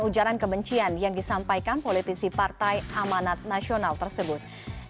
ujaran kebencian yang disampaikan politisi partai amanat nasional tersebut